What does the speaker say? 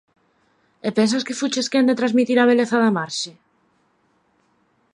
E pensas que fuches quen de transmitir a beleza da marxe.